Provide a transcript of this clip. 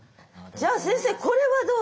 じゃあ先生これはどうよ？